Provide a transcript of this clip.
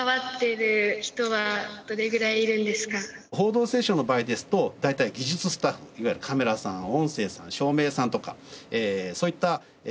『報道ステーション』の場合ですと大体技術スタッフいわゆるカメラさん音声さん照明さんとかそういったまあＶＥさんもですね